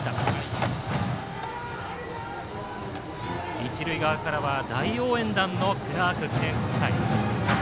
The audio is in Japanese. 一塁側からは大応援団のクラーク記念国際。